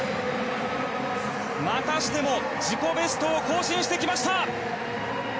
またしても自己ベストを更新してきました。